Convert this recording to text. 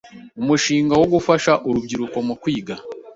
umushinga wo gufasha urubyiruko mu kwiga